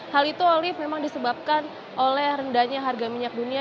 hal itu olive memang disebabkan oleh rendahnya harga minyak dunia